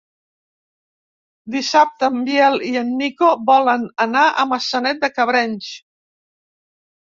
Dissabte en Biel i en Nico volen anar a Maçanet de Cabrenys.